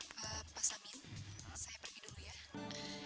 pak samin saya pergi dulu ya